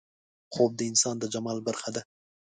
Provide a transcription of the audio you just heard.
خوب د انسان د جمال برخه ده